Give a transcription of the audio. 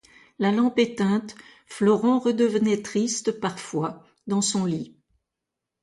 La lampe éteinte, Florent redevenait triste, parfois, dans son lit.